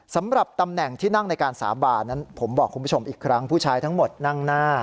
สำหรับตำแหน่งที่นั่งในการสาบานนั้นผมบอกคุณผู้ชมอีกครั้งผู้ชายทั้งหมดนั่งหน้า